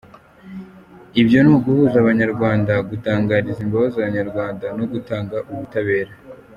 Ibyo ni uguhuza abanyarwanda, gutangariza imbabazi Abanyarwanda no gutanga ubutabera.